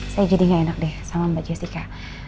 saya jadi gak enak deh sama mbak jessica